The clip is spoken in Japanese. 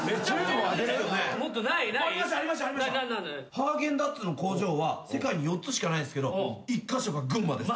ハーゲンダッツの工場は世界に４つしかないんですけど１カ所が群馬です。